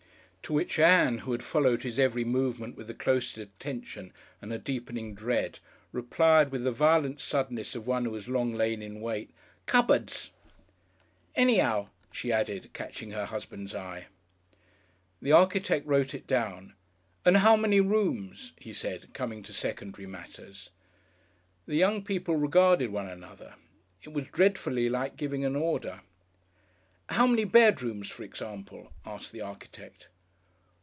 To which Ann, who had followed his every movement with the closest attention and a deepening dread, replied with the violent suddenness of one who has long lain in wait, "Cubbuds!" "Anyhow," she added, catching her husband's eye. The architect wrote it down. "And how many rooms?" he said, coming to secondary matters. The young people regarded one another. It was dreadfully like giving an order. "How many bedrooms, for example?" asked the architect.